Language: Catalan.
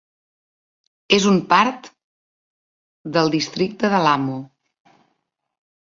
És un part del districte de Lamu.